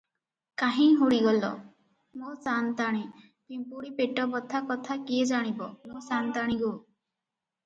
କାହିଁ ହୁଡ଼ିଗଲ, ମୋ ସାଆନ୍ତାଣି, ପିମ୍ପୁଡ଼ି ପେଟବଥା କଥା କିଏ ଜାଣିବ, ମୋ ସାଆନ୍ତାଣୀ ଗୋ!